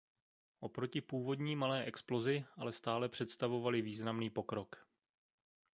Oproti původní malé explozi ale stále představovaly významný pokrok.